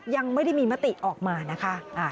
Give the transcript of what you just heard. ยังไม่ได้มีมติออกมานะคะ